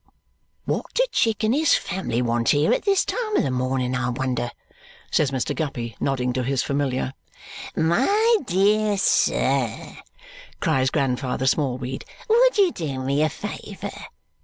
"What do Chick and his family want here at this time of the morning, I wonder!" says Mr. Guppy, nodding to his familiar. "My dear sir," cries Grandfather Smallweed, "would you do me a favour?